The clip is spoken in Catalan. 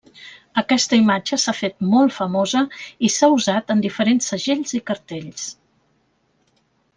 Aquesta imatge s'ha fet molt famosa i s'ha usat en diferents segells i cartells.